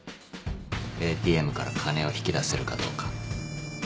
ＡＴＭから金を引き出せるかどうか。